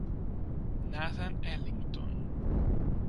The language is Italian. Nathan Ellington